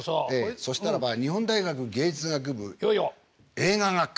そしたらば日本大学芸術学部映画学科。